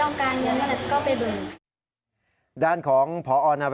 รอจะต้องการเงินเพราะเดี๋ยวก็ไปเบิ่ม